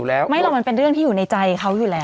แล้วไม่หรอกมันเป็นเรื่องที่อยู่ในใจเขาอยู่แล้ว